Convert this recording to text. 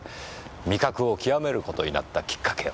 味覚を究める事になったきっかけを。